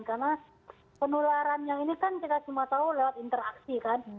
karena penularan yang ini kan kita cuma tahu lewat interaksi kan